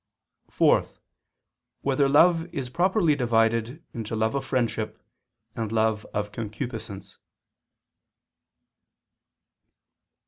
(4) Whether love is properly divided into love of friendship, and love of concupiscence?